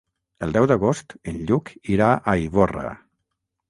El deu d'agost en Lluc irà a Ivorra.